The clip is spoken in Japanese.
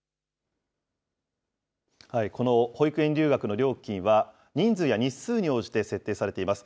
この保育園留学の料金は、人数や日数に応じて設定されています。